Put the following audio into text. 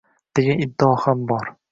degan iddao ham bor.